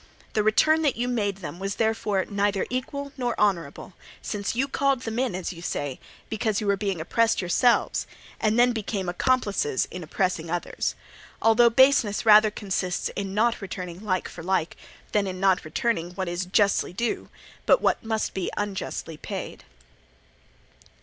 The return that you made them was therefore neither equal nor honourable, since you called them in, as you say, because you were being oppressed yourselves, and then became their accomplices in oppressing others; although baseness rather consists in not returning like for like than in not returning what is justly due but must be unjustly paid.